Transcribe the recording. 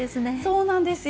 そうなんですよ。